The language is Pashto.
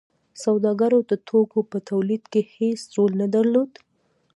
سوداګرو د توکو په تولید کې هیڅ رول نه درلود.